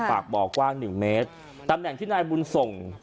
ปากบ่อกว้างหนึ่งเมตรตำแหน่งที่นายบุญส่ง